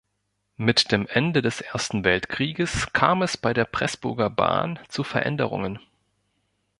Mit dem Ende des Ersten Weltkrieges kam es bei der Pressburger Bahn zu Veränderungen.